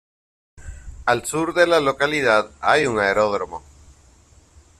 Al sur de la localidad hay un aeródromo.